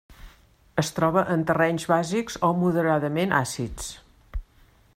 Es troba en terrenys bàsics o moderadament àcids.